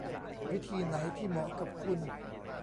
วิธีไหนที่เหมาะกับคุณ